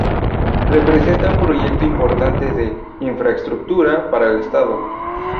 Representa un proyecto importante de infraestructura para el estado.